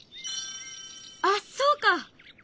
あっそうか！